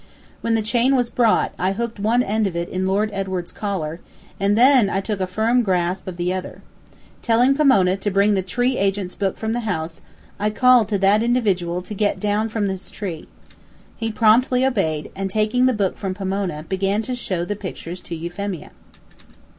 When the chain was brought, I hooked one end of it in Lord Edward's collar, and then I took a firm grasp of the other. Telling Pomona to bring the tree agent's book from the house, I called to that individual to get down from his tree. He promptly obeyed, and taking the book from Pomona, began to show the pictures to Euphemia.